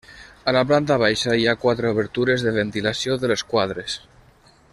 A la planta baixa hi ha quatre obertures de ventilació de les quadres.